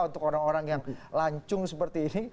untuk orang orang yang lancung seperti ini